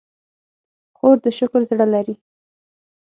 خور د شکر زړه لري.